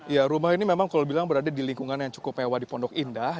ya rumah ini memang kalau bilang berada di lingkungan yang cukup mewah di pondok indah